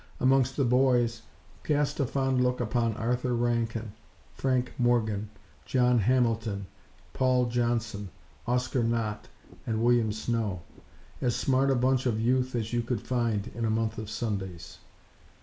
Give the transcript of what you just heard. Amongst the boys, cast a fond look upon Arthur Rankin, Frank Morgan, John Hamilton, Paul Johnson, Oscar Knott and William Snow; as smart a bunch of Youth as you could find in a month of Sundays.